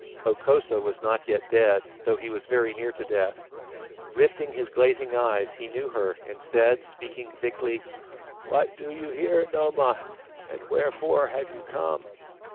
Hokosa was not yet dead, though he was very near to death. Lifting his glazing eyes, he knew her and said, speaking thickly: "What do you here, Noma, and wherefore have you come?"